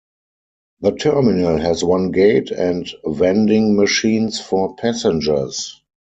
The terminal has one gate and vending machines for passengers.